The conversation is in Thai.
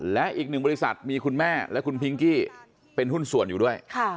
และอีกหนึ่งบริษัทมีคุณแม่และคุณพิงกี้เป็นหุ้นส่วนอยู่ด้วย